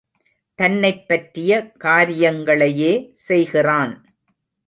தன்னைப் பற்றிய காரியங்களையே செய்கிறான்.